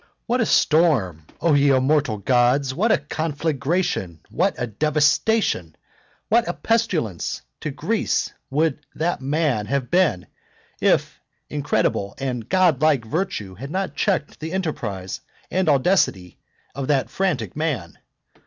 What a storm, O ye immortal gods! what a conflagration! what a devastation! what a pestilence to Greece would that man have been, if incredible and godlike virtue had not checked the enterprise and audacity of that frantic man.